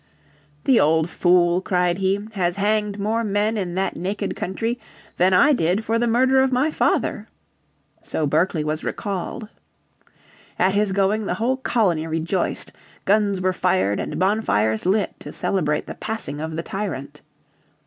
"The old fool," cried he, "has hanged more men in that naked country than I did for the murder of my father." So Berkeley was recalled. At his going the whole colony rejoiced. Guns were fired and bonfires lit to celebrate the passing of the tyrant.